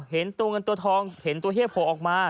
เห็นตัวเงินตัวทองเห็นตัวเฮียโผล่ออกมา